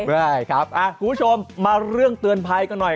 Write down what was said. ได้ครับคุณผู้ชมมาเรื่องเตือนภัยกันหน่อย